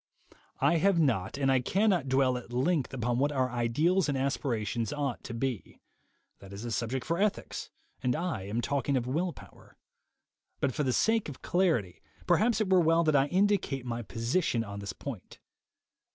I have not and I cannot dwell at length upon what our ideals and aspirations ought to be; that is a subject for ethics, and I am talking of will power. But for the sake of clarity, perhaps it were well that I indicate my position on this point.